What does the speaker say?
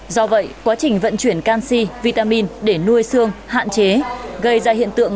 do vậy quá trình vận chuyển canxi vitamin để nuôi sức khỏe của chị dung